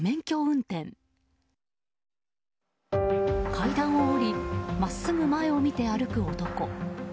階段を降り真っすぐ前を見て歩く男。